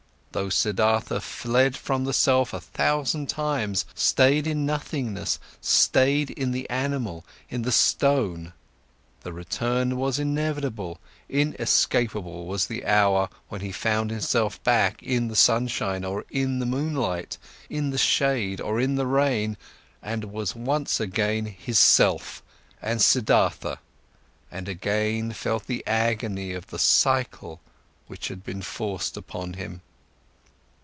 Though Siddhartha fled from the self a thousand times, stayed in nothingness, stayed in the animal, in the stone, the return was inevitable, inescapable was the hour, when he found himself back in the sunshine or in the moonlight, in the shade or in the rain, and was once again his self and Siddhartha, and again felt the agony of the cycle which had been forced upon him.